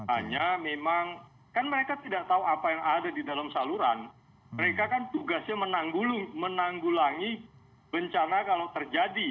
hanya memang kan mereka tidak tahu apa yang ada di dalam saluran mereka kan tugasnya menanggulangi bencana kalau terjadi